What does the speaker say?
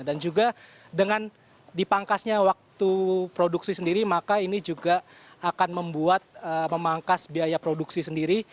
dan juga dengan dipangkasnya waktu produksi sendiri maka ini juga akan membuat memangkas biaya produksi sendiri